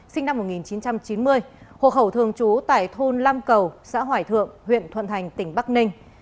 sinh năm một nghìn chín trăm chín mươi hộ khẩu thường trú tại thôn lam cầu xã hoài thượng huyện thuận thành tỉnh bắc ninh